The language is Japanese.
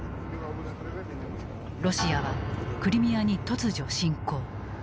ロシアはクリミアに突如侵攻。